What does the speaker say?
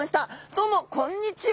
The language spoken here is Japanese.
どうもこんにちは。